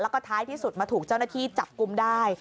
แล้วก็ท้ายที่สุดมาถูกเจ้าหน้าที่จับกุมได้